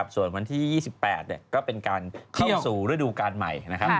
ส่วนวันที่๒๘ก็เป็นการเข้าสู่ฤดูการใหม่นะครับ